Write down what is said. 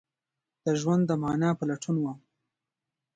د ژوند د معنی په لټون وم